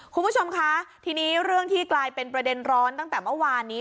คุณผู้ชมคะทีนี้เรื่องที่กลายเป็นประเด็นร้อนตั้งแต่เมื่อวานนี้